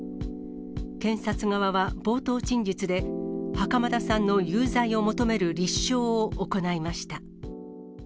検察側は冒頭陳述で、袴田さんの有罪を求める立証を行いました。